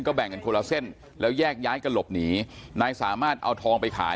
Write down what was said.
แบ่งกันคนละเส้นแล้วแยกย้ายกันหลบหนีนายสามารถเอาทองไปขาย